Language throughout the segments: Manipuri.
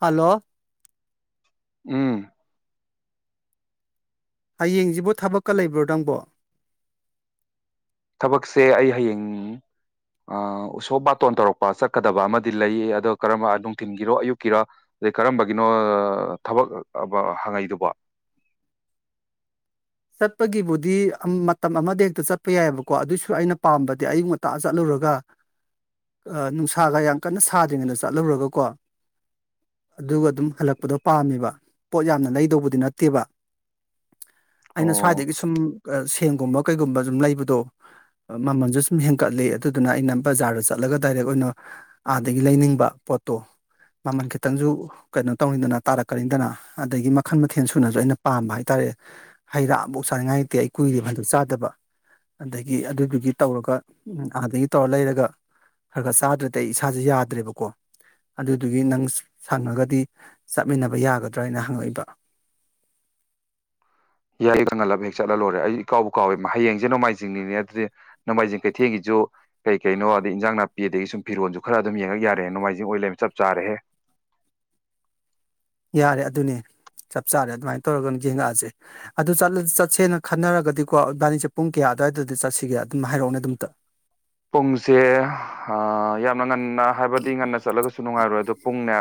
ꯍꯜꯂꯣ ꯎꯝ ꯍꯌꯦꯡꯁꯤꯕ ꯊꯕꯛꯀ ꯂꯩꯕ꯭ꯔꯣ ꯅꯪꯕꯣ ꯊꯕꯛꯁꯦ ꯑꯩ ꯍꯌꯦꯡ ꯑ ꯎꯁꯣꯞ ꯕꯥꯇꯣꯟ ꯇꯧꯔꯛꯄ ꯆꯠꯀꯗꯕ ꯑꯃꯗꯤ ꯂꯩ ꯑꯗꯣ ꯀꯔꯝꯕ ꯅꯨꯡꯊꯤꯟꯒꯤꯔꯣ ꯑꯌꯨꯛꯀꯤꯔꯣ ꯑꯗꯩ ꯀꯔꯝꯕꯒꯤꯅꯣ ꯊꯕꯛ ꯍꯪꯉꯛꯏꯗꯨꯕꯣ ꯆꯠꯄꯒꯤꯕꯨꯗꯤ ꯃꯇꯝ ꯑꯃꯗ ꯍꯦꯛꯇ ꯆꯠꯄ ꯌꯥꯏꯑꯦꯕꯀꯣ ꯑꯗꯨꯏꯁꯨ ꯑꯩꯅ ꯄꯥꯝꯕꯗꯤ ꯑꯌꯨꯛ ꯉꯟꯇꯥ ꯆꯠꯂꯨꯔꯒ ꯅꯨꯡꯁꯥꯒ ꯌꯥꯝ ꯀꯟꯅ ꯁꯥꯗ꯭ꯔꯤꯉꯩꯗ ꯆꯠꯍꯧꯔꯒꯀꯣ ꯑꯗꯨꯒ ꯑꯗꯨꯝ ꯍꯜꯂꯛꯄꯗꯣ ꯄꯥꯝꯃꯦꯕ ꯄꯣꯠ ꯌꯥꯝꯅ ꯂꯩꯗꯧꯕꯗꯤ ꯅꯠꯇꯦꯕ ꯑꯩꯅ ꯑꯣ ꯁ꯭ꯋꯥꯏꯗꯒꯤ ꯁꯨꯝ ꯁꯦꯟꯒꯨꯝꯕ ꯀꯩꯒꯨꯝꯕ ꯁꯨꯝ ꯂꯩꯕꯗꯣ ꯃꯃꯜꯁꯨ ꯁꯨꯝ ꯍꯦꯟꯒꯠꯂꯤ ꯑꯗꯨꯗꯨꯅ ꯑꯩꯅ ꯕꯖꯥꯔꯗ ꯆꯠꯂꯒ ꯗꯥꯏꯔꯦꯛ ꯑꯣꯏꯅ ꯑꯥꯗꯒꯤ ꯂꯩꯅꯤꯡꯕ ꯄꯣꯠꯇꯣ ꯃꯃꯜ ꯈꯤꯇꯪꯁꯨ ꯀꯩꯅꯣ ꯇꯧꯅꯤꯡꯗꯅ ꯇꯥꯔꯛꯀꯅꯤꯗꯅ ꯑꯗꯒꯤ ꯃꯈꯜ ꯃꯊꯦꯜ ꯁꯨꯅꯁꯨ ꯑꯩꯅ ꯄꯥꯝꯕ ꯍꯥꯏꯇꯥꯔꯦ ꯍꯩ ꯔꯥ ꯑꯃꯐꯛ ꯆꯥꯅꯤꯡꯉꯥꯏ ꯂꯩꯇꯦ ꯑꯩ ꯀꯨꯏꯔꯦ ꯍꯟꯗꯛ ꯆꯥꯗꯕ ꯑꯗꯒꯤ ꯑꯗꯨꯗꯨꯒꯤ ꯇꯧꯔꯒ ꯎꯝ ꯑꯥꯗꯒꯤ ꯇꯧꯔ ꯂꯩꯔꯒ ꯈꯔ ꯈꯔ ꯆꯥꯗ꯭ꯔꯗꯤ ꯑꯩ ꯏꯁꯥꯥꯁꯦ ꯌꯥꯗ꯭ꯔꯦꯕꯀꯣ ꯑꯗꯨꯗꯨꯒꯤ ꯅꯪ ꯁꯪꯉꯒꯗꯤ ꯆꯠꯃꯤꯟꯅꯕ ꯌꯥꯒꯗ꯭ꯔꯥ ꯍꯥꯏꯅ ꯍꯪꯉꯛꯏꯕ ꯌꯥꯏ ꯀꯪꯍꯜꯂꯕ ꯍꯦꯛ ꯆꯠꯂ ꯂꯣꯏꯔ ꯑꯩ ꯏꯀꯥꯎꯕꯨ ꯀꯥꯎꯋꯦ ꯍꯌꯦꯡꯁꯦ ꯅꯣꯡꯃꯥꯏꯖꯤꯡꯅꯤꯅꯦ ꯑꯗꯨꯗꯤ ꯅꯣꯡꯃꯥꯏꯖꯤꯡ ꯀꯩꯊꯦꯜꯒꯤꯁꯨ ꯀꯩ ꯀꯩꯅꯣ ꯑꯗꯩ ꯏꯟꯖꯥꯡ ꯅꯥꯄꯤ ꯑꯗꯒꯤ ꯁꯨꯝ ꯐꯤꯔꯣꯟꯁꯨ ꯈꯔ ꯑꯗꯨꯝ ꯌꯦꯡꯉꯛ ꯌꯥꯔꯦ ꯅꯣꯡꯃꯥꯏꯖꯤꯡ ꯑꯣꯏ ꯂꯩꯔꯝꯃꯦ ꯆꯞ ꯆꯥꯔꯦ ꯌꯥꯔꯦ ꯑꯗꯨꯅꯦ ꯆꯞ ꯆꯥꯔꯦ ꯑꯗꯨꯃꯥꯏꯅ ꯇꯧꯔꯒ ꯌꯦꯡꯉꯛꯑꯁꯦ ꯑꯗꯨ ꯆꯠꯁꯦꯅ ꯈꯟꯅꯔꯒꯗꯤꯀꯣ ꯏꯕꯥꯅꯤꯁꯦ ꯄꯨꯡ ꯀꯌꯥ ꯑꯗꯨꯋꯥꯏꯗꯗꯤ ꯆꯠꯁꯤꯒꯦ ꯑꯗꯨꯝ ꯍꯥꯏꯔꯛꯎꯅꯦ ꯑꯗꯨꯝꯇ ꯄꯨꯡꯁꯦ ꯌꯥꯝꯅ ꯉꯟ ꯍꯥꯏꯕꯗꯤ ꯉꯟꯅ ꯆꯠꯂꯒꯁꯨ ꯅꯨꯡꯉꯥꯏꯔꯣꯏ ꯑꯗꯣ ꯄꯨꯡꯅꯦ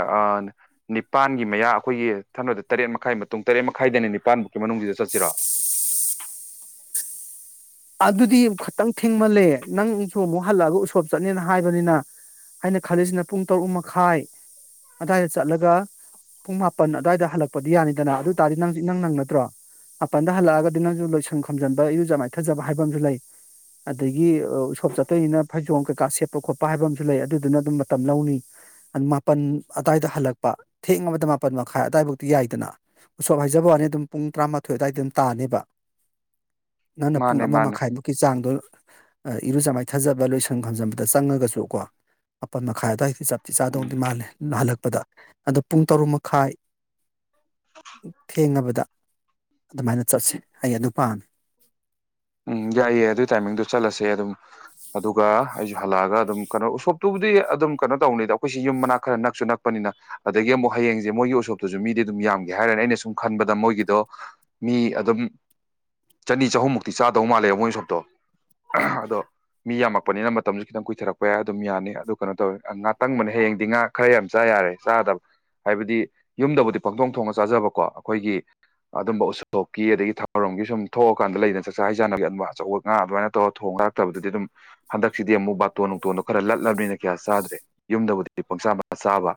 ꯅꯤꯄꯥꯟꯒꯤ ꯃꯌꯥ ꯑꯩꯈꯣꯏꯒꯤ ꯊꯪꯅꯕꯗ ꯇꯔꯦꯠ ꯃꯈꯥꯏ ꯃꯇꯨꯡ ꯇꯔꯦꯠ ꯃꯈꯥꯏꯗꯅꯤ ꯅꯤꯄꯥꯟꯕꯨꯛꯀꯤ ꯃꯅꯨꯡꯁꯤꯗ ꯆꯠꯁꯤꯔꯣ [unintelligible] ꯑꯗꯨꯗꯤ ꯈꯛꯇꯪ ꯊꯦꯡꯃꯜꯂꯦ ꯅꯪꯁꯨ ꯑꯃꯨꯛ ꯍꯜꯂꯛꯑꯒ ꯎꯁꯣꯞ ꯆꯠꯅꯤꯅ ꯍꯥꯏꯕꯅꯤꯅ ꯍꯥꯏꯅ ꯈꯜꯂꯤꯁꯤꯅ ꯄꯨꯡ ꯇꯔꯨꯛ ꯃꯈꯥꯏ ꯑꯗꯨꯋꯥꯢꯗ ꯆꯠꯂꯒ ꯄꯨꯡ ꯃꯥꯄꯟ ꯑꯗꯨꯋꯥꯏꯗ ꯍꯜꯂꯛꯄꯗꯤ ꯌꯥꯅꯤꯗꯅ ꯑꯗꯨ ꯇꯥꯔꯗꯤ ꯅꯪ ꯢꯅꯪ ꯅꯪꯅꯗꯔꯣ ꯃꯥꯄꯟꯗ ꯍꯜꯂꯛꯑꯒꯗꯤ ꯅꯪꯁꯨ ꯂꯣꯏꯁꯟ ꯈꯣꯝꯖꯟꯕ ꯏꯔꯨꯖ ꯃꯥꯏꯊꯖꯕ ꯍꯥꯏꯕ ꯑꯃꯁꯨ ꯂꯩ ꯑꯗꯒꯤ ꯎꯁꯣꯞ ꯆꯠꯇꯨꯢꯅꯤꯅ ꯐꯩꯖꯣꯝ ꯀꯩꯀꯥ ꯁꯦꯠꯄ ꯈꯣꯠꯄ ꯍꯥꯏꯕ ꯑꯃꯁꯨ ꯂꯩ ꯑꯗꯨꯗꯨꯅ ꯑꯗꯨꯝ ꯃꯇꯝ ꯂꯧꯅꯤ ꯃꯥꯄꯜ ꯑꯗꯨꯋꯥꯏꯗ ꯍꯜꯂꯛꯄ ꯊꯦꯡꯑꯕꯗ ꯃꯥꯄꯜ ꯃꯈꯥꯏ ꯑꯗꯨꯋꯥꯏꯐꯧꯗꯤ ꯌꯥꯏꯗꯅ ꯎꯁꯣꯞ ꯍꯥꯏꯖꯕꯩ ꯋꯥꯅꯦꯕ ꯑꯗꯨꯝ ꯄꯨꯡ ꯇꯔꯥꯃꯥꯊꯣꯏ ꯑꯗꯨꯋꯥꯏꯗ ꯑꯗꯨꯝ ꯇꯥꯅꯦꯕ ꯅꯪꯅ ꯄꯨꯡ ꯃꯥꯅꯦ ꯑꯃ ꯃꯥꯅꯦ ꯃꯈꯥꯏꯃꯨꯛꯀꯤ ꯆꯥꯡꯗꯣ ꯏꯔꯨꯖ ꯃꯥꯏꯊꯥꯖꯕ ꯂꯣꯏꯁꯥꯟ ꯈꯥꯝꯖꯟꯕꯗ ꯆꯪꯉꯒꯁꯨ ꯀꯣ ꯃꯄꯥꯜ ꯃꯈꯥꯏ ꯑꯗꯨꯋꯥꯏꯗ ꯆꯠꯄ ꯇꯤ ꯆꯥꯗꯧꯗꯤ ꯎꯝ ꯃꯥꯜꯂꯦ ꯍꯜꯂꯛꯄꯗ ꯑꯗꯣ ꯄꯨꯡ ꯇꯔꯨꯛ ꯃꯈꯥꯏ ꯊꯦꯡꯉꯕꯗ ꯑꯗꯨꯃꯥꯏꯅ ꯆꯠꯁꯦ ꯑꯩ ꯑꯗꯨ ꯄꯥꯝꯃꯦ ꯑꯝ ꯌꯥꯢꯌꯦ ꯑꯗꯨꯒꯤ ꯇꯥꯏꯃꯤꯡꯗꯣ ꯆꯠꯂꯁꯦ ꯑꯗꯨꯝ ꯑꯗꯨꯒ ꯑꯩꯁꯨ ꯍꯜꯂꯛꯑꯒ ꯑꯗꯨꯝ ꯀꯩꯅꯣ ꯎꯁꯣꯞꯇꯨꯕꯨꯗꯤ ꯑꯗꯨꯝ ꯀꯩꯅꯣ ꯇꯧꯅꯤꯗ ꯑꯩꯈꯣꯏꯁꯤ ꯌꯨꯝ ꯃꯅꯥꯛ ꯈꯔ ꯅꯛꯁꯨ ꯅꯛ ꯅꯛꯄꯅꯤꯅ ꯑꯗꯒꯤ ꯑꯃꯨꯛ ꯍꯌꯦꯡꯁꯦ ꯃꯣꯏꯒꯤ ꯎꯁꯣꯞꯇꯨꯁꯨ ꯃꯤꯗꯤ ꯑꯗꯨꯝ ꯌꯥꯝꯒꯦ ꯍꯥꯏꯔꯅꯤ ꯑꯩꯅ ꯁꯨꯝ ꯈꯟꯕꯗ ꯃꯣꯏꯒꯤꯗꯣ ꯃꯤ ꯑꯗꯨꯝ ꯆꯅꯤ ꯆꯍꯨꯝꯃꯨꯛꯇꯤ ꯆꯥꯗꯧ ꯃꯥꯜꯂꯦ ꯃꯣꯏ ꯎꯁꯨꯞꯇꯣ ꯑꯗꯣ ꯃꯤ ꯌꯥꯝꯃꯛꯄꯅꯤꯅ ꯃꯇꯝꯁꯨ ꯈꯤꯇꯪ ꯀꯨꯏꯊꯔꯛꯄ ꯌꯥꯏ ꯑꯗꯨꯝ ꯌꯥꯅꯤ ꯑꯗꯨ ꯀꯩꯅꯣ ꯇꯧꯋꯦ ꯉꯥ ꯇꯪꯕꯅꯦ ꯍꯌꯦꯡꯗꯤ ꯉꯥꯥꯛ ꯈꯔ ꯌꯥꯝ ꯆꯥ ꯌꯥꯔꯦ ꯆꯥꯗꯕ ꯍꯥꯏꯕꯗꯤ ꯌꯨꯝꯗꯕꯨꯗꯤ ꯄꯪꯗꯣꯡ ꯊꯣꯡꯅ ꯆꯥꯖꯕꯀꯣ ꯑꯩꯈꯣꯏꯒꯤ ꯑꯗꯨꯝꯕ ꯎꯁꯣꯞꯀꯤ ꯑꯗꯒꯤ ꯊꯧꯔꯝꯒꯤ ꯁꯨꯝ ꯊꯣꯛꯑꯀꯥꯟꯗ ꯂꯩꯅ ꯆꯠ ꯆꯥꯛꯆꯥ ꯍꯩꯖꯥꯟꯅꯕꯒꯤ ꯑꯗꯨ ꯑꯆꯧꯕ ꯉꯥ ꯑꯗꯨꯃꯥꯏꯅ ꯇꯧꯔ ꯊꯣꯡ ꯂꯥꯛꯇꯕꯗꯨꯗꯤ ꯑꯗꯨꯝ ꯍꯟꯗꯛꯁꯤꯗꯤ ꯑꯃꯨꯛ ꯕꯥꯇꯣꯟ ꯅꯨꯡꯇꯣꯟꯗꯣ ꯈꯔ ꯂꯠꯂꯕꯅꯤꯅ ꯀꯌꯥ ꯆꯥꯗ꯭ꯔꯦ ꯌꯨꯝꯗꯕꯨꯗꯤ ꯄꯪꯁꯥ ꯆꯥꯕ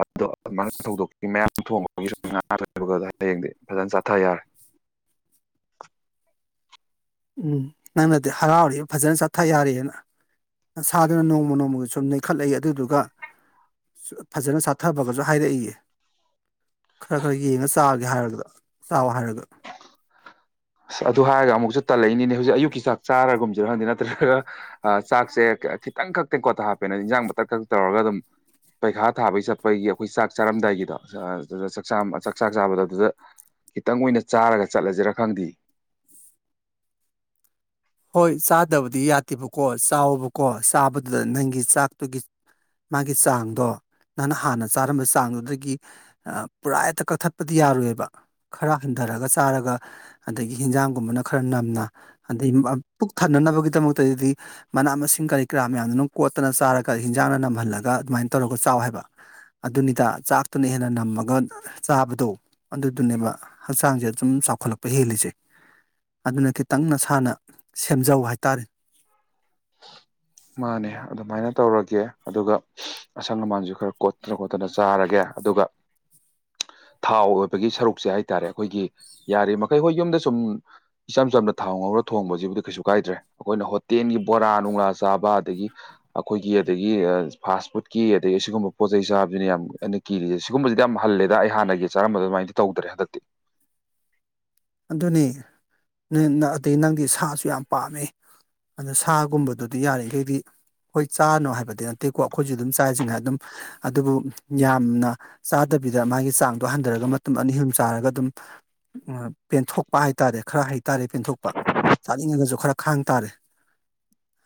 ꯑꯗꯣ ꯑꯗꯨ [unintelligible] ꯊꯧꯗꯣꯛꯀꯤ ꯃꯌꯥꯝ ꯊꯣꯡꯕꯒꯤ ꯉꯥ ꯍꯌꯦꯡꯗꯤ ꯐꯖꯅ ꯆꯠꯊ ꯌꯥꯔꯦ ꯎꯝ ꯅꯪꯅꯗꯤ ꯍꯔꯥꯎꯔꯤ ꯐꯖꯅ ꯆꯠꯊ ꯌꯥꯔꯦꯅ ꯅꯁꯥꯗꯨꯅ ꯅꯣꯡꯃ ꯅꯣꯡꯃꯒꯤ ꯁꯨꯝ ꯅꯩꯈꯠꯂꯛꯏ ꯑꯗꯨꯗꯨꯒ ꯐꯖꯅ ꯆꯠꯊꯕꯒꯁꯨ ꯍꯥꯏꯔꯛꯏꯌꯦ ꯈꯔ ꯈꯔ ꯌꯦꯡꯉ ꯆꯥꯒꯦ ꯍꯥꯏꯔꯒ ꯆꯥꯎ ꯍꯥꯏꯔꯒ ꯑꯁ ꯑꯗꯨ ꯍꯥꯏꯔꯒ ꯑꯃꯨꯛꯁꯨ ꯇꯜꯂꯛꯏꯅꯤꯅꯦ ꯍꯧꯖꯤꯛ ꯑꯌꯨꯛꯀꯤ ꯆꯥꯔꯒꯨꯝꯁꯤꯔ ꯈꯪꯗꯦ ꯅꯠꯇ꯭ꯔꯒ ꯑꯥ ꯆꯥꯛꯁꯦ ꯈꯤꯇꯪ ꯈꯛꯇ‌ꯦꯡꯀꯣꯠꯇ ꯍꯥꯞꯄꯦꯅ ꯏꯟꯖꯥꯡ ꯃꯊꯛ ꯈꯛꯇꯧꯔꯒ ꯑꯗꯨꯝ ꯄꯩꯈꯥ ꯊꯥꯕꯒꯤ ꯆꯠꯄꯒꯤ ꯑꯩꯈꯣꯏ ꯆꯥꯛ ꯆꯥꯔꯝꯗꯥꯏꯒꯤꯗꯣ ꯑꯗꯨ ꯆꯥꯛ ꯆꯥꯛ ꯆꯥꯕꯗ ꯑꯗꯨꯗ ꯈꯤꯇꯪ ꯑꯣꯏꯅ ꯆꯥꯔꯒ ꯆꯠꯂꯁꯤꯔꯥ ꯈꯪꯗꯦ ꯍꯣꯏ ꯆꯥꯗꯕꯗꯤ ꯌꯥꯗꯦꯕꯀꯣ ꯆꯥꯎꯕꯀꯣ ꯆꯥꯕꯗꯨꯗ ꯅꯪꯒꯤ ꯆꯥꯛꯇꯨꯒꯤ ꯃꯥꯒꯤ ꯆꯥꯡꯗꯣ ꯅꯪꯅ ꯍꯥꯟꯅ ꯆꯥꯔꯝꯕ ꯆꯥꯡꯗꯨꯗꯒꯤ ꯄꯨꯔꯥ ꯍꯦꯛꯇ ꯀꯛꯊꯠꯄꯗꯤ ꯌꯥꯔꫭꯏꯕ ꯈꯔ ꯍꯟꯊꯔꯒ ꯆꯥꯔꯒ ꯑꯗꯒꯤ ꯍꯟꯖꯥꯡꯒꯨꯝꯕꯅ ꯈꯔ ꯅꯝꯅ ꯑꯗꯩ ꯄꯨꯛ ꯊꯅꯅꯕꯒꯤꯗꯃꯛꯇꯗꯤ ꯃꯅꯥ ꯃꯁꯤꯡ ꯀꯔꯤ ꯀꯔꯥ ꯃꯌꯥꯝꯗꯨꯅꯪ ꯀꯣꯠꯇꯅ ꯆꯥꯔꯒ ꯍꯤꯟꯖꯥꯡꯅ ꯅꯝꯍꯜꯂꯒ ꯑꯗꯨꯃꯥꯏꯅ ꯇꯧꯔꯒ ꯆꯥꯎ ꯍꯥꯏꯕ ꯑꯗꯨꯅꯤꯗ ꯆꯥꯛꯇꯨꯅ ꯍꯦꯟꯅ ꯅꯝꯃꯒ ꯆꯥꯕꯗꯣ ꯑꯗꯨꯗꯨꯅꯦꯕ ꯍꯛꯆꯥꯡꯁꯦ ꯑꯗꯨꯝ ꯆꯥꯎꯈꯠꯂꯛꯄ ꯍꯦꯜꯂꯤꯁꯦ ꯑꯗꯨꯅ ꯈꯤꯇꯪ ꯅꯁꯥꯅ ꯁꯦꯝꯖꯧ ꯍꯥꯏꯇꯥꯔꯦ ꯃꯥꯅꯦ ꯑꯗꯨꯃꯥꯏꯅ ꯇꯧꯔꯒꯦ ꯑꯗꯨꯒ ꯑꯁꯪ ꯑꯃꯥꯟꯁꯨ ꯈꯔ ꯀꯣꯠꯇꯅ ꯈꯣꯠꯇꯅ ꯆꯥꯔꯒꯦ ꯑꯗꯨꯒ ꯊꯥꯎ ꯑꯣꯏꯕꯒꯤ ꯁꯔꯨꯛꯁꯦ ꯍꯥꯏꯇꯥꯔꯦ ꯑꯩꯈꯣꯏꯒꯤ ꯌꯥꯔꯤꯕ ꯃꯈꯩ ꯍꯣꯏ ꯌꯨꯝꯗ ꯁꯨꯝ ꯏꯆꯝ ꯆꯝꯅ ꯊꯥꯎ ꯉꯧꯔ ꯊꯣꯡꯕꯁꯤꯕꯨꯗꯤ ꯀꯩꯁꯨ ꯀꯥꯏꯗ꯭ꯔꯦ ꯑꯩꯈꯣꯏꯅ ꯍꯣꯇꯦꯜꯒꯤ ꯕꯣꯔꯥ ꯅꯨꯡꯂꯥ ꯆꯥꯕ ꯑꯗꯒꯤ ꯑꯩꯈꯣꯏꯒꯤ ꯑꯗꯒꯤ ꯐꯥꯁ ꯐꯨꯗꯀꯤ ꯑꯗꯒꯤ ꯑꯁꯤꯒꯨꯝꯕ ꯄꯣꯠꯆꯩ ꯆꯥꯕꯁꯤꯅ ꯌꯥꯝ ꯀꯤꯔꯤꯁꯦ ꯁꯤꯒꯨꯝꯕꯁꯤꯗꯤ ꯌꯥꯝꯜꯂꯦꯗ ꯑꯩ ꯍꯥꯟꯅꯒꯤ ꯆꯔꯝꯕ ꯑꯗꯨꯃꯥꯏꯅꯗꯤ ꯇꯧꯗ꯭ꯔꯦ ꯍꯗꯛꯇꯤ ꯑꯗꯨꯅꯤ ꯑꯗꯩ ꯅꯪꯗꯤ ꯁꯥꯁꯨ ꯌꯥꯝ ꯄꯥꯝꯃꯤ ꯑꯗ ꯁꯥꯒꯨꯝꯕꯗꯨꯗꯤ ꯌꯥꯔꯤꯈꯩꯗꯤ ꯍꯣꯏ ꯆꯥꯅꯣ ꯍꯥꯏꯕꯗꯤ ꯅꯠꯇꯦꯀꯣ ꯑꯩꯈꯣꯏꯁꯨ ꯑꯗꯨꯝ ꯆꯥꯁꯤꯉꯥꯏ ꯑꯗꯨꯝ ꯑꯗꯨꯕꯨ ꯌꯥꯝꯅ ꯆꯥꯗꯕꯤꯗ ꯃꯥꯒꯤ ꯆꯥꯡꯗꯣ ꯍꯟꯊꯔꯒ ꯃꯇꯝ ꯑꯅꯤ ꯑꯍꯨꯝ ꯆꯥꯔꯒ ꯑꯗꯨꯝ ꯄꯦꯟꯊꯣꯛꯄ ꯍꯥꯏꯇꯥꯔꯦ ꯈꯔ ꯍꯩꯇꯥꯔꯦ ꯄꯦꯟꯊꯣꯛꯄ ꯆꯥꯅꯤꯡꯉꯒꯁꯨ ꯈꯔ ꯈꯥꯡ ꯇꯥꯔꯦ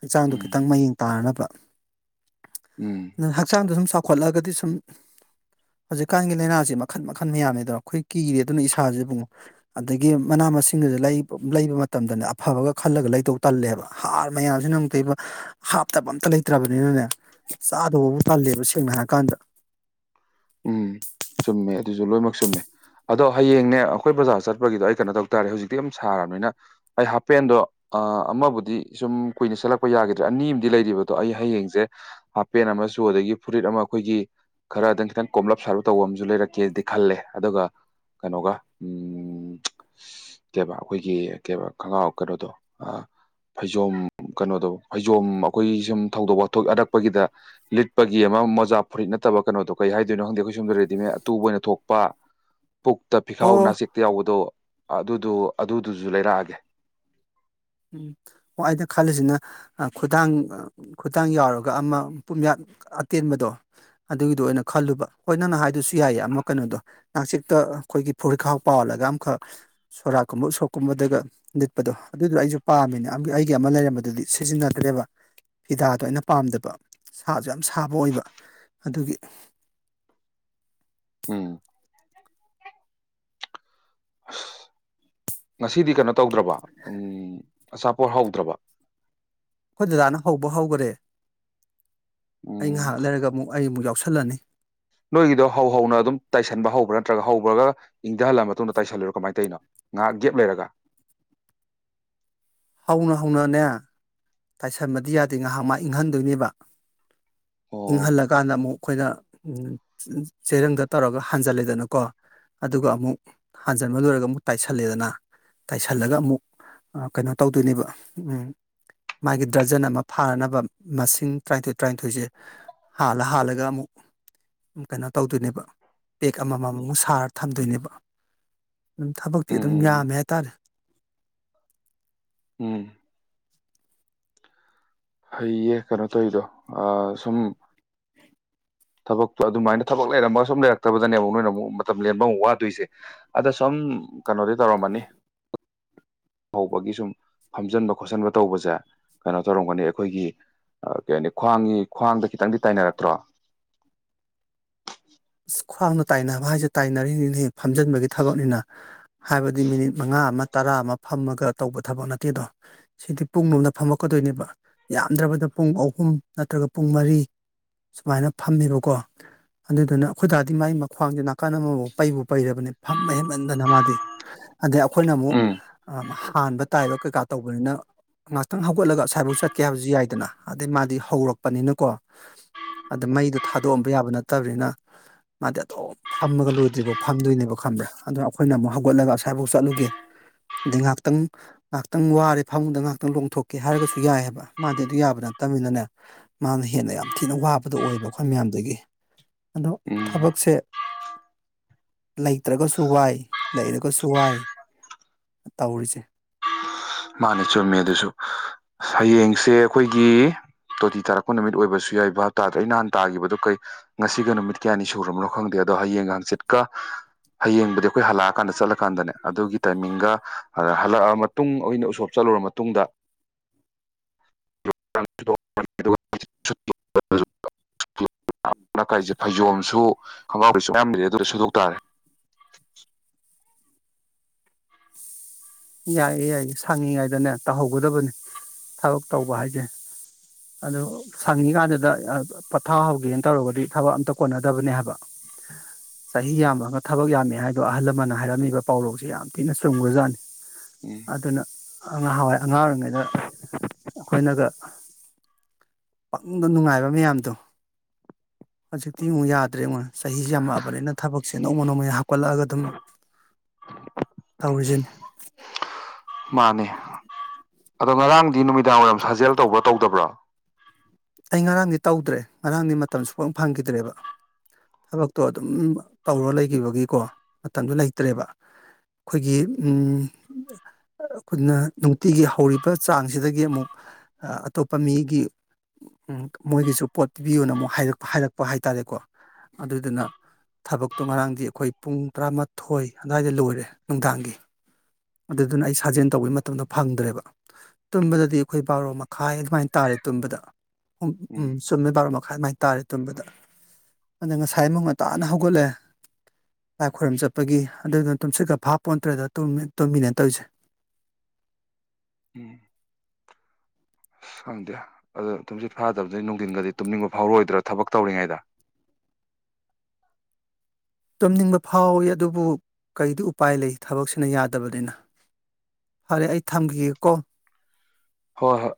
ꯍꯛꯆꯥꯡꯗꯨ ꯎꯝ ꯈꯤꯇꯪ ꯃꯌꯦꯡ ꯇꯥꯅꯕ ꯎꯝ ꯑꯗꯨꯅ ꯍꯛꯆꯥꯡꯗ ꯁꯨꯝ ꯆꯥꯎꯈꯠꯂꯛꯑꯒꯗꯤ ꯁꯨꯝ ꯍꯧꯖꯤꯛꯀꯥꯟꯒꯤ ꯂꯥꯏꯅꯥꯁꯤ ꯃꯈꯟ ꯃꯈꯟ ꯃꯌꯥꯅꯤꯗꯅ ꯑꯩꯈꯣꯏ ꯀꯤꯔꯦ ꯑꯗꯨꯅ ꯏꯁꯥꯥꯁꯦꯕꯨꯨꯡꯉ ꯑꯗꯒꯤ ꯃꯅꯥ ꯃꯁꯤꯡꯒꯁꯦ ꯂꯩꯕ ꯃꯇꯝꯗꯅꯦ ꯑꯐꯕꯒ ꯈꯜꯂꯒ ꯂꯩꯇꯧ ꯇꯜꯂꯦꯕ ꯍꯥꯔ ꯃꯌꯥꯝꯁꯤꯅ ꯂꯩꯕ ꯍꯥꯞꯇꯕ ꯑꯝꯇ ꯂꯩꯇ꯭ꯔꯕꯅꯤꯅꯅꯦ ꯆꯥꯗꯧꯕꯕꯨ ꯇꯜꯂꯦꯕ ꯁꯦꯡꯅ ꯍꯥꯏꯔ ꯀꯥꯟꯗ ꯎꯝ ꯆꯨꯝꯃꯦ ꯑꯗꯨꯁꯨ ꯂꯣꯏꯅꯃꯛ ꯆꯨꯝꯃꯦ ꯑꯗꯣ ꯍꯌꯦꯡꯅꯦ ꯑꯩꯈꯣꯏ ꯕꯖꯥꯔ ꯆꯠꯄꯒꯤꯗꯣ ꯑꯩ ꯀꯩꯅꯣ ꯇꯧ ꯇꯥꯔꯦ ꯍꯧꯖꯤꯛꯇꯤ ꯌꯥꯝ ꯁꯥꯔꯕꯅꯤꯅ ꯑꯩ ꯍꯥꯄꯦꯟꯗꯣ ꯑ ꯑꯃꯕꯨꯗꯤ ꯁꯨꯝ ꯀꯨꯏꯅ ꯁ‌ꯦꯠꯂꯛꯄ ꯌꯥꯒꯗ꯭ꯔꯦ ꯑꯅꯤ ꯑꯃꯗꯤ ꯂꯩꯔꯤꯕꯗꯣ ꯑꯩ ꯍꯌꯦꯡꯁꯦ ꯍꯥꯄꯦꯟ ꯑꯃꯁꯨ ꯑꯗꯒꯤ ꯐꯨꯔꯤꯠ ꯑꯃ ꯑꯩꯈꯣꯏꯒꯤ ꯈꯔꯥ ꯈꯤꯇꯪ ꯀꯣꯝꯂꯞ ꯁꯥꯔꯔꯕ ꯇꯧꯕ ꯑꯃꯁꯨ ꯂꯩꯔꯛꯀꯦꯗꯤ ꯈꯜꯂꯦ ꯑꯗꯨꯒ ꯀꯩꯅꯣꯒ ꯎꯝ ꯀꯩꯕ ꯑꯩꯈꯣꯏꯒꯤ ꯀꯩꯕ ꯈꯒ꯭ꯔꯥꯎ ꯀꯩꯅꯣꯗꯣ ꯑꯥ ꯐꯩꯖꯣꯝ ꯀꯩꯅꯣꯗꯣ ꯐꯩꯖꯣꯝ ꯑꯩꯈꯣꯏ ꯁꯨꯝ ꯊꯧꯗꯣꯛ ꯋꯥꯊꯣꯛ ꯑꯅꯛꯄꯒꯤꯗ ꯂꯤꯠꯄꯒꯤ ꯑꯃ ꯃꯣꯖꯥ ꯐꯨꯔꯤꯠ ꯅꯠꯇꯕ ꯀꯩꯅꯣꯗꯣ ꯀꯩ ꯍꯥꯏ ꯀꯅꯣ ꯈꯪꯗꯦ ꯑꯩꯈꯣꯏ ꯁꯣꯝꯗ ꯔꯦꯗꯤꯃꯦꯗ ꯑꯇꯨꯕ ꯑꯣꯏꯅ ꯊꯣꯛꯄ ꯄꯨꯛꯇ ꯐꯤꯈꯥꯎ ꯑꯣ ꯅꯥꯆ‌ꯦꯛ ꯌꯥꯎꯕꯗꯣ ꯑꯗꯨꯗꯣ ꯑꯗꯨꯗꯨꯁꯨ ꯂꯩꯔꯛꯑꯒꯦ ꯎꯝ ꯍ‌ꯦ ꯑꯩꯅ ꯈꯜꯂꯤꯁꯤꯅ ꯈꯨꯗꯥꯡ ꯈꯨꯗꯥꯡ ꯌꯥꯎꯔꯒ ꯑꯃ ꯄꯨꯝꯌꯥꯠ ꯑꯇꯦꯟꯕꯗꯣ ꯑꯗꯨꯒꯤꯗꯨ ꯑꯣꯏꯅ ꯈꯜꯂꯨꯕ ꯍꯣꯏ ꯅꯪꯅ ꯍꯥꯏꯗꯨꯁꯨ ꯌꯥꯏꯌꯦ ꯑꯃ ꯀꯩꯅꯣꯗꯣ ꯅꯆꯤꯛꯇ ꯑꯩꯈꯣꯏꯒꯤ ꯐꯨꯔꯤꯈꯥꯎ ꯄꯥꯜꯂꯒ ꯑꯃꯈꯛ ꯁꯣꯔꯥꯛꯀꯨꯝꯕ ꯎꯁꯣꯞꯀꯨꯝꯕꯗꯒ ꯂꯤꯠꯄꯗꯣ ꯑꯗꯨꯗꯣ ꯑꯩꯁꯨ ꯄꯥꯝꯃꯤꯅ‌ꯦ ꯑꯩꯒꯤ ꯑꯃ ꯂꯩꯔꯝꯕꯗꯨꯗꯤ ꯁꯤꯖꯤꯟꯅꯗ꯭ꯔꯦꯕ ꯐꯤꯗꯥꯗꯣ ꯑꯩꯅ ꯄꯥꯝꯗꯕ ꯁꯥꯁꯨ ꯌꯥꯝ ꯁꯥꯕ ꯑꯣꯏꯕ ꯑꯗꯨꯒꯤ ꯎꯝ ꯑꯁ ꯉꯁꯤꯗꯤ ꯀꯩꯅꯣ ꯇꯧꯗ꯭ꯔꯕ ꯎꯝ ꯑꯆꯥꯄꯣꯠ ꯍꯧꯗ꯭ꯔꯕ ꯑꯩꯈꯣꯏ ꯗꯗꯥꯅ ꯍꯧꯕ ꯍꯧꯈꯔꯦ ꯑꯩ ꯎꯝ ꯉꯥꯏꯍꯥꯛ ꯂꯩꯔꯒ ꯑꯃꯨꯛ ꯑꯩ ꯑꯃꯨꯛ ꯌꯥꯎꯁꯜꯂꯅꯤ ꯅꯣꯏꯒꯤꯗꯣ ꯍꯧ ꯍꯧꯅ ꯑꯗꯨꯝ ꯇꯥꯏꯁꯟꯕ ꯍꯧꯕ꯭ꯔꯥ ꯅꯠꯇ꯭ꯔꯒ ꯍꯧꯕ꯭ꯔꯒ ꯏꯪꯊꯍꯜꯂ ꯃꯇꯨꯡꯗ ꯇꯥꯏꯁꯜꯂꯨꯔꯣ ꯀꯃꯥꯏꯅ ꯇꯔꯤꯅꯣ ꯉꯥꯏꯍꯥꯛ ꯒꯦꯞ ꯂꯩꯔꯒ ꯍꯧꯅ ꯍꯧꯅꯅꯦ ꯇꯥꯏꯁꯟꯕꯗꯤ ꯌꯥꯗꯦ ꯉꯥꯏꯍꯥꯛ ꯃꯥ ꯏꯪꯍꯟꯗꯣꯏꯅꯦꯕ ꯑꯣ ꯏꯪꯍꯜꯂꯀꯥꯟꯗ ꯑꯃꯨꯛ ꯑꯩꯈꯣꯏꯅ ꯆꯦꯔꯪꯗ ꯇꯧꯔꯒ ꯍꯥꯟꯖꯜꯂꯦꯗꯅꯀꯣ ꯑꯗꯨꯒ ꯑꯃꯨꯛ ꯍꯟꯖꯟꯕ ꯂꯣꯏꯔꯒ ꯑꯃꯨꯛ ꯇꯥꯏꯁꯜꯂꯦꯗꯅ ꯇꯥꯏꯁꯜꯂꯒ ꯑꯃꯨꯛ ꯑꯥ ꯀꯩꯅꯣ ꯇꯧꯗꯣꯏꯅꯦꯕ ꯎꯝ ꯃꯥꯒꯤ ꯗ꯭ꯔꯖꯟ ꯑꯃ ꯐꯥꯅꯅꯕ ꯃꯁꯤꯡ ꯇꯔꯥꯅꯤꯊꯣꯏ ꯇꯔꯥꯅꯤꯊꯣꯏꯁꯦ ꯍꯥꯜꯂ ꯍꯥꯜꯂꯒ ꯑꯃꯨꯛ ꯀꯩꯅꯣ ꯇꯧꯗꯣꯏꯅꯦꯕ ꯄꯦꯛ ꯑꯃꯃꯝ ꯃꯨꯛ ꯁꯥꯔ ꯊꯝꯗꯣꯏꯅꯦꯕ ꯑꯗꯨꯝ ꯊꯕꯛꯇꯤ ꯑꯗꯨꯝ ꯎꯝ ꯌꯥꯝꯃꯦ ꯍꯥꯏꯇꯥꯔꯦ ꯎꯝ ꯐꯩꯌꯦ ꯀꯩꯅꯣ ꯇꯧꯔꯤꯗꯣ ꯑꯥ ꯁꯨꯝ ꯊꯕꯛꯇꯣ ꯑꯗꯨꯃꯥꯏꯅ ꯊꯕꯛ ꯂꯩꯔꯝꯃꯒ ꯁꯨꯝ ꯂꯩꯔꯛꯇꯕꯗꯅꯦꯕ ꯅꯣꯏꯅ ꯑꯃꯨꯛ ꯃꯇꯝ ꯂꯦꯟꯕ ꯑꯃꯨꯛ ꯋꯥꯗꯣꯏꯁꯦ ꯑꯗꫭ ꯁꯨꯝ ꯀꯩꯅꯣꯗꯤ ꯇꯧꯔꯝꯃꯅꯤ ꯍꯧꯕꯒꯤ ꯁꯨꯝ ꯐꯝꯖꯤꯟꯕ ꯈꯣꯠꯆꯟꯕ ꯇꯧꯕꯁꯦ ꯀꯩꯅꯣ ꯇꯧꯔꯝꯒꯅꯤ ꯑꯩꯈꯣꯏꯒꯤ ꯀꯩ ꯍꯥꯏꯅꯤ ꯈ꯭ꯋꯥꯡꯒꯤ ꯈ꯭ꯋꯥꯡꯗ ꯈꯤꯇꯪꯗꯤ ꯇꯥꯏꯅꯔꯛꯇ꯭ꯔꯣ ꯈ꯭ꯋꯥꯡꯗ ꯇꯥꯏꯅꯕ ꯍꯥꯏꯁꯦ ꯇꯥꯏꯅꯔꯤꯅꯤꯅꯤ ꯐꯝꯖꯤꯟꯕꯒꯤ ꯊꯕꯛꯅꯤꯅ ꯍꯥꯏꯕꯗꯤ ꯃꯤꯅꯤꯠ ꯃꯪꯉꯥ ꯑꯃ ꯇꯔꯥ ꯑꯃ ꯐꯝꯃꯒ ꯇꯧꯕ ꯊꯕꯛ ꯅꯠꯇꯦꯗꯣ ꯁꯤꯗꯤ ꯄꯨꯡꯂꯣꯝꯗ ꯐꯝꯃꯛꯀꯗꯣꯏꯅꯦꯕ ꯌꯥꯝꯗ꯭ꯔꯕꯗ ꯄꯨꯡ ꯑꯍꯨꯝ ꯅꯠꯇ꯭ꯔꯒ ꯄꯨꯡ ꯃꯔꯤ ꯁꯨꯃꯥꯏꯅ ꯐꯝꯃꯦꯕꯀꯣ ꯑꯗꯨꯗꯨꯅ ꯑꯩꯈꯣꯏꯗꯥꯗꯤ ꯃꯥꯏ ꯃꯈ꯭ꯡꯁꯦ ꯅꯥꯀꯟ ꯑꯃꯕꯨ ꯄꯩꯕꯨ ꯄꯩꯔꯕꯅꯤ ꯐꯝꯕ ꯍꯦꯃꯟꯗꯅ ꯃꯥꯗꯤ ꯑꯗꯩ ꯑꯩꯈꯣꯏꯅ ꯑꯃꯨꯛ ꯎꯝ ꯍꯥꯟꯕ ꯇꯥꯏꯕ ꯀꯩꯀꯥ ꯇꯧꯕꯅꯤꯅ ꯉꯥꯏꯍꯥꯛꯇꯪ ꯍꯧꯒꯠꯂꯒ ꯉꯁꯥꯏꯐꯥꯎ ꯆꯠꯀꯦ ꯍꯥꯏꯕꯁꯨ ꯌꯥꯏꯗꯅ ꯑꯗꯩ ꯃꯥꯗꯤ ꯍꯧꯔꯛꯄꯅꯤꯅꯀꯣ ꯑꯗꯥ ꯃꯩꯗꯣ ꯊꯥꯗꯣꯛꯑꯝꯕ ꯌꯥꯕ ꯅꯠꯇꯕꯅꯤꯅ ꯃꯥꯗꯤ ꯑꯗꯨꯝ ꯐꯝꯃꯒ ꯂꯣꯏꯗ꯭ꯔꯤꯕꯣ ꯐꯝꯗꯣꯏꯅꯦꯕ ꯈꯪꯕ꯭ꯔꯥ ꯑꯗꯨꯅ ꯑꯩꯈꯣꯏꯅ ꯑꯃꯨꯛ ꯍꯧꯒꯠꯂꯒ ꯑꯁꯋꯥꯏꯐꯥꯎ ꯆꯠꯂꯨꯒꯦ ꯑꯗꯩ ꯉꯥꯛꯇꯪ ꯉꯥꯏꯍꯥꯛꯇꯪ ꯋꯥꯔꯦ ꯐꯃꯨꯡꯗ ꯉꯥꯏꯍꯥꯛꯇꯪ ꯂꯣꯡꯊꯣꯛꯀꯦ ꯍꯥꯏꯔꯒꯁꯨ ꯌꯥꯏꯑꯕ ꯃꯥꯗꯤ ꯑꯗꯨ ꯌꯥꯕ ꯅꯠꯇꯕꯅꯤꯅꯅꯦ ꯃꯥꯅ ꯍꯦꯟꯅ ꯌꯥꯝ ꯊꯤꯅ ꯋꯥꯕꯗꯣ ꯑꯣꯏꯕ ꯑꯩꯈꯣꯏ ꯃꯌꯥꯝꯗꯒꯤ ꯑꯗꯣ ꯎꯝ ꯊꯕꯛꯁꯦ ꯂꯩꯇ꯭ꯔꯥꯒꯁꯨ ꯋꯥꯏ ꯂꯩꯔꯒꯁꯨ ꯋꯥꯏ ꯇꯧꯔꯤꯁꯦ ꯃꯥꯅ ꯆꯨꯝꯃꯦ ꯑꯗꯨꯁꯨ ꯍꯌꯦꯡꯁꯦ ꯑꯩꯈꯣꯏꯒꯤ ꯇꯣꯇꯤ ꯇꯥꯔꯛꯄ ꯅꯨꯃꯤꯠ ꯑꯣꯏꯕꯁꯨ ꯌꯥꯏ ꯚꯥꯞꯇꯥꯗ‌꯭ꯔ‌ꯦ ꯑꯩ ꯅꯍꯥꯟ ꯇꯥꯈꯤꯕꯗꯨ ꯀꯩ ꯉꯁꯤꯒ ꯅꯨꯃꯤꯠ ꯀꯌꯥꯅꯤ ꯁꯨꯔꯕꯅꯣ ꯈꯪꯗꯦ ꯑꯗꯣ ꯍꯌꯦꯡ ꯍꯥꯡꯆꯤꯠꯀ ꯍꯌꯦꯡꯕꯨꯗꯤ ꯑꯩꯈꯣꯏ ꯍꯜꯂꯛꯑꯀꯥꯟꯗ ꯆꯠꯂꯀꯥꯟꯗꯅꯦ ꯑꯗꯨꯒꯤ ꯇꯥꯏꯃꯤꯡꯒ ꯍꯜꯂꯛꯑ ꯃꯇꯨꯡ ꯑꯣꯏꯅ ꯎꯁꯣꯞ ꯆꯠꯂꯨꯨꯔ ꯃꯇꯨꯡꯗ [unintelligible] ꯀꯔꯤꯁꯦ [unintelligible] ꯐꯩꯖꯣꯝꯁꯨ ꯈꯣꯡꯒꯥꯎꯔꯤꯁꯨ ꯃꯌꯥꯝ ꯂꯩꯔꯦ ꯑꯗꯨꯗ ꯁꯨꯗꯣꯛꯇꯥꯔꯦ ꯌꯥꯏꯌꯦ ꯌꯥꯏꯌꯦ ꯁꯪꯉꯉꯥꯏꯗꯅꯦ ꯇꯧꯍꯧꯒꯗꯕꯅꯤ ꯊꯕꯛ ꯇꯧꯕ ꯍꯥꯏꯁꯦ ꯑꯗꯨ ꯁꯪꯉꯤꯀꯥꯟꯗꯨꯗ ꯄꯣꯊꯥ ꯍꯧꯒꯦꯅ ꯇꯧꯔꯒꯗꯤ ꯊꯕꯛ ꯑꯝꯇ ꯀꯣꯟꯅꯗꯕꯅꯦ ꯍꯥꯏꯕ꯫ ꯆꯍꯤ ꯌꯥꯝꯃꯒ ꯊꯕꯛ ꯌꯥꯝꯃꯦ ꯍꯥꯏꯗꯣ ꯑꯍꯜ ꯂꯃꯟꯅ ꯍꯥꯏꯔꯝꯃꯤꯕ ꯄꯥꯎꯔꯧꯁꯦ ꯌꯥꯝ ꯊꯤꯅ ꯆꯨꯝꯈ꯭ꯔꯖꯥꯠꯅꯤ꯫ ꯎꯝ꯫ ꯑꯗꯨꯅ ꯉꯍꯋꯥꯏ ꯑꯉꯥꯡ ꯑꯣꯏꯔꯤꯉꯩꯗ ꯑꯩꯈꯣꯏꯅꯒ ꯄꯛꯅꯨꯡꯕ ꯅꯨꯡꯉꯥꯏꯕ ꯃꯌꯥꯝꯗꯣ ꯍꯧꯖꯤꯛꯇꯤ ꯑꯃꯨꯛ ꯌꯥꯗ꯭ꯔꯦ ꯉꯣꯏ ꯆꯍꯤꯁꯤ ꯌꯥꯝꯃꯛꯑꯕꯅꯤꯅ ꯊꯕꯛꯁꯦ ꯅꯣꯡꯃ ꯅꯣꯡꯃꯩ ꯍꯥꯞ ꯀꯠꯂꯛꯑꯒ ꯑꯗꯨꯝ ꯇꯧꯔꯤꯁꯤꯅꯤ꯫ ꯃꯥꯅꯦ ꯑꯗꯣ ꯉꯔꯥꯡꯗꯤ ꯅꯨꯃꯤꯗꯥꯡ ꯋꯥꯏꯔꯝ ꯁꯥꯖꯦꯜ ꯇꯧꯕ꯭ꯔꯥ ꯇꯧꯗꯕ꯭ꯔꯣ꯫ ꯑꯩ ꯉꯔꯥꯡꯗꯤ ꯇꯧꯗ꯭ꯔꯦ ꯉꯔꯥꯡꯗꯤ ꯃꯇꯝ ꯁꯨꯐꯪ ꯐꯪꯈꯤꯗ꯭ꯔꯦꯕ꯫ ꯊꯕꯛꯇꯣ ꯑꯗꯨꯝ ꯇꯧꯔ ꯂꯩꯈꯤꯕꯒꯤꯀꯣ ꯃꯇꯝꯗꯨ ꯂꯩꯇ꯭ꯔꯦꯕ꯫ ꯈꯣꯏꯒꯤ ꯎꯝ ꯑꯩꯈꯣꯏꯅ ꯅꯨꯡꯇꯤꯒꯤ ꯍꯧꯔꯤꯕ ꯆꯥꯡꯁꯤꯗꯒꯤ ꯑꯃꯨꯛ ꯑꯇꯣꯞꯄ ꯃꯤꯒꯤ ꯎꯝ ꯃꯣꯏꯒꯤꯁꯨ ꯄꯣꯠ ꯄꯤꯕꯤꯌꯣꯅ ꯑꯃꯨꯛ ꯍꯥꯏꯔꯛ ꯍꯥꯏꯔꯛꯄ ꯍꯥꯏꯇꯥꯔꯦꯀꯣ ꯑꯗꯨꯗꯨꯅ ꯊꯕꯛꯇꯣ ꯉꯔꯥꯡꯗꯤ ꯑꯩꯈꯣꯏ ꯄꯨꯡ ꯇꯔꯥꯃꯥꯊꯣꯏ ꯑꯗꯨꯋꯥꯏꯗ ꯂꯣꯏꯔꯦ ꯅꯨꯡꯗꯥꯡꯒꯤ꯫ ꯑꯗꯨꯗꯨꯅ ꯑꯩ ꯁꯥꯖꯦꯜ ꯇꯧꯕꯩ ꯃꯇꯝꯗꯣ ꯐꯪꯗ꯭ꯔꯦꯕ꯫ ꯇꯨꯝꯕꯗꯗꯤ ꯑꯩꯈꯣꯏ ꯕꯥꯔꯣ ꯃꯈꯥꯏ ꯑꯗꯨꯃꯥꯏꯅ ꯇꯥꯔꯦ ꯇꯨꯝꯕꯗ꯫ ꯎ ꯎꯝ ꯆꯨꯝꯃꯦ ꯕꯥꯔꯣ ꯃꯈꯥꯏ ꯑꯗꯨꯥꯏꯅ ꯇꯥꯔꯦ ꯇꯨꯝꯕꯗ꯫ ꯑꯗ ꯉꯁꯥꯏ ꯑꯃꯨꯛ ꯉꯟꯇꯥꯅ ꯍꯧꯒꯠꯂꯦ꯫ ꯂꯥꯏ ꯈꯣꯏꯔꯝ ꯆꯠꯄꯒꯤ ꯑꯗꯨꯗꯨꯅ ꯇꯨꯝꯁꯤꯠꯀ ꯐꯥ ꯄꯣꯟꯇ꯭ꯔꯦꯗ ꯇꯨꯝꯃꯤ ꯇꯨꯝꯃꯤꯅꯦ ꯇꯧꯔꯤꯁꯦ꯫ ꯎꯝ ꯑꯁ ꯈꯪꯗꯦ ꯑꯗꯣ ꯊꯨꯝꯁꯤꯠ ꯐꯥꯗꯕꯗꯤ ꯅꯨꯡꯊꯤꯟꯒꯗꯤ ꯇꯨꯝꯅꯤꯡꯕ ꯐꯥꯎꯔꯛꯑꯣꯏꯗ꯭ꯔꯥ ꯊꯕꯛ ꯇꯧꯔꯤꯉꯩꯗ꯫ ꯇꯨꯝꯅꯤꯡꯕ ꯐꯥꯎꯋꯤ ꯑꯗꯨꯕꯨ ꯀꯩꯗꯤ ꯎꯄꯥꯏ ꯂꯩ ꯊꯕꯛꯁꯤꯅ ꯌꯥꯗꯕꯅꯤꯅ꯫ ꯐꯔꯦ ꯑꯩ ꯊꯝꯈꯤꯒꯦꯀꯣ꯫ ꯍꯣꯏ ꯍꯣꯏ꯫